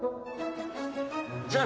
じゃあ。